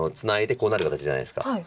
こうなる形じゃないですか。